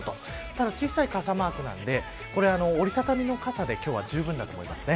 ただ、小さい傘マークなんで折り畳みの傘で今日はじゅうぶんだと思います。